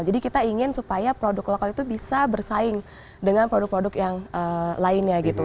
jadi kita ingin supaya produk lokal itu bisa bersaing dengan produk produk yang lainnya gitu